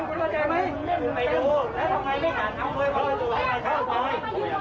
คุณไม่ได้เข้าไป